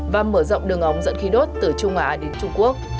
và mở rộng đường ống dẫn khí đốt từ trung á đến trung quốc